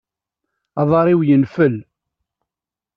Aḍar-iw yenfel.